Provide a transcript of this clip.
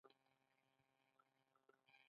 ژوند لکه د یو منجمد ډنډ اوبه تېروي.